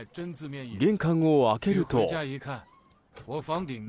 玄関を開けると。